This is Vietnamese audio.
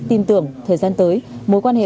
tin tưởng thời gian tới mối quan hệ